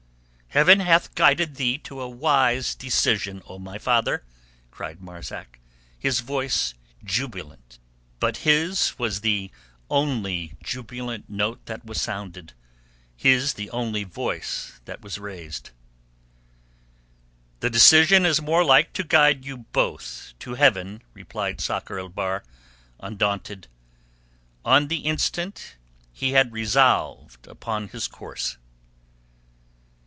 "Heaven hath guided thee to a wise decision, O my father!" cried Marzak, his voice jubilant. But his was the only jubilant note that was sounded, his the only voice that was raised. "The decision is more like to guide you both to Heaven," replied Sakr el Bahr, undaunted. On the instant he had resolved upon his course.